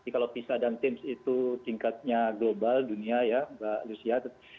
kalau pisa dan tims itu tingkatnya global dunia ya mbak lucia